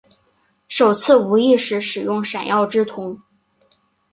首次无意识使用闪耀之瞳。